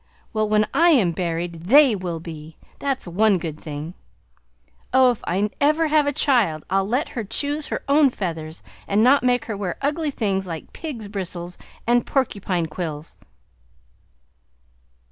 Well, when I am buried THEY will be, that's one good thing! Oh, if I ever have a child I'll let her choose her own feathers and not make her wear ugly things like pigs' bristles and porcupine quills!"